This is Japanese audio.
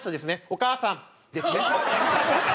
お母さんですね。